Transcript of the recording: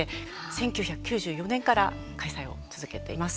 １９９４年から開催を続けています。